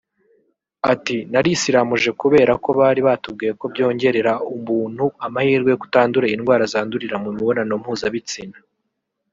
ati ”Narisiramuje kubera ko bari batubwiye ko byongerera umuntu amahirwe yo kutandura indwara zandurira mu mibonano mpuzabitsina